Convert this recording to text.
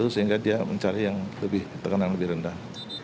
sehingga dia mencari yang lebih tekanan lebih rendah